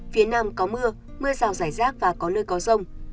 phía nam có mưa mưa rào rải rác và có nơi có rông